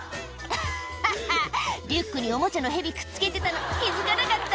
「ハハハリュックにおもちゃのヘビくっつけてたの気付かなかった？」